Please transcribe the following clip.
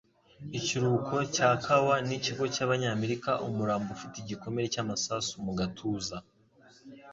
Ikiruhuko cya kawa nikigo cyabanyamerikaUmurambo ufite igikomere cy'amasasu mu gatuza.